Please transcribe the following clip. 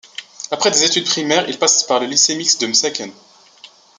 Après des études primaires, il passe par le lycée mixte de M'saken.